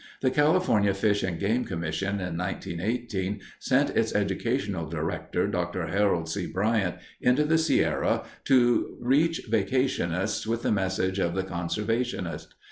The California Fish and Game Commission in 1918 sent its educational director, Dr. Harold C. Bryant, into the Sierra to reach vacationists with the message of the conservationist.